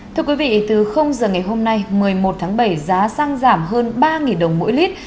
thưa quý vị từ giờ ngày hôm nay một mươi một tháng bảy giá xăng giảm hơn ba đồng mỗi lít